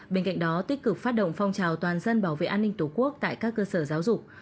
bên cạnh đó tích cực phát động phong trào toàn dân bảo vệ an ninh tổ quốc tại các cơ sở giáo dục